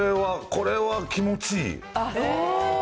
これは気持ちいい。